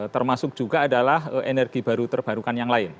termasuk juga adalah energi baru terbarukan yang lain